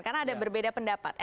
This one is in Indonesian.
karena ada berbeda pendapat